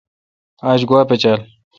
آج گوا پچال۔